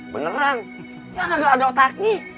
beneran ya ga ada otaknya